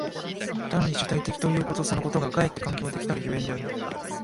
単に主体的ということそのことがかえって環境的たる所以である。